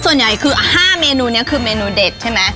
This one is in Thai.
ส่วนใหญ่คือ๕เมนูนี้คือเมนูเด็ดใช่ไหม